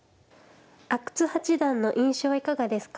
阿久津八段の印象はいかがですか。